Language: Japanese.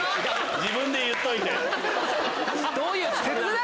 自分で言っといて。